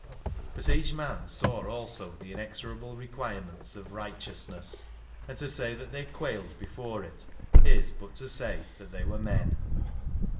But each man saw also the inexorable require ments of righteousness, and to say that they quailed before it is but to say that they were men.